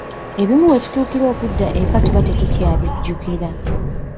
Ebimu we tutuukira okudda eka tuba tetukyabijjukira.